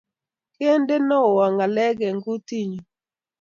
Kindenowo ngalek eng kutinyu